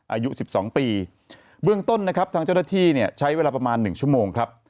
อายุ๑๒ปีเบื้องต้นนะครับทางเจ้าหน้าที่เนี่ยใช้เวลาประมาณ๑ชั่วโมงครับ